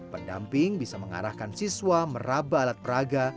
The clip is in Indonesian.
pendamping bisa mengarahkan siswa meraba alat peraga